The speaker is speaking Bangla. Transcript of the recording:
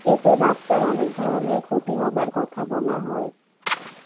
এতে বাচ্চার অনেক ধরনের ক্ষতি হবার কথা বলা হয়।